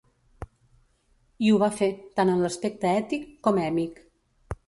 I ho va fer, tant en l'aspecte ètic com èmic.